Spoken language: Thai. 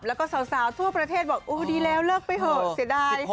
แล้วก็สาวทั่วประเทศบอกโอ้ดีแล้วเลิกไปเถอะเสียดาย